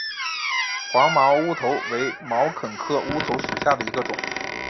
黄毛乌头为毛茛科乌头属下的一个种。